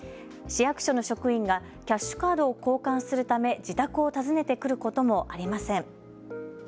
市役所の職員がキャッシュカードを交換するため自宅を訪ねてくることもありません。